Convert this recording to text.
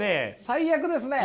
最悪ですね。